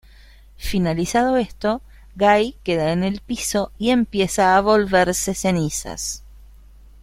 Finalizado esto, Gai queda en el piso y empieza a volverse cenizas.